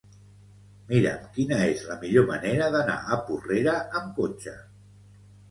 Mira'm quina és la millor manera d'anar a Porrera amb cotxe.